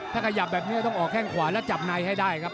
ถ้าขยับแบบนี้ต้องออกแข้งขวาแล้วจับในให้ได้ครับ